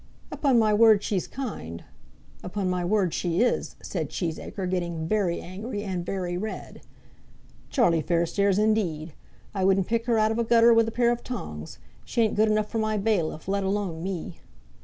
"Upon my word she's kind. Upon my word she is," said Cheesacre, getting very angry and very red. "Charlie Fairstairs, indeed! I wouldn't pick her out of a gutter with a pair of tongs. She ain't good enough for my bailiff, let alone me."